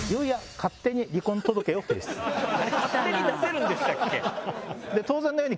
勝手に出せるんでしたっけ？